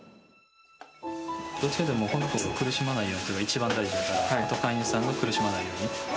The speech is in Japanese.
どちらかというと、この子が苦しまないようにするのが一番大事だから、あと飼い主さんが苦しまないように。